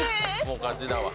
もう勝ちだわ。